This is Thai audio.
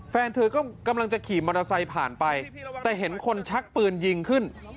แฟนเธอก็กำลังจะขี่มอเตอร์ไซค์ผ่านไปแต่เห็นคนชักปืนยิงขึ้น